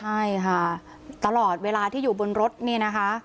ใช่ค่ะตลอดเวลาที่อยู่บนรถนี่นะคะ